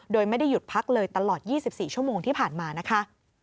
โดยไม่ได้หยุดพักเลยตลอด๒๔ชั่วโมงที่ผ่านมานะคะ